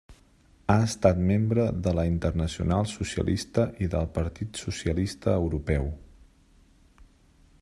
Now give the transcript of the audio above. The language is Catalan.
Ha estat membre de la Internacional Socialista i del Partit Socialista Europeu.